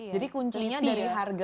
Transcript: jadi kuncinya dari harga